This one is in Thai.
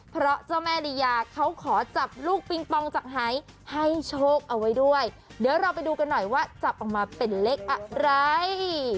เพราะเจ้าแม่ลียาเขาขอจับลูกปิงปองจากหายให้โชคเอาไว้ด้วยเดี๋ยวเราไปดูกันหน่อยว่าจับออกมาเป็นเลขอะไร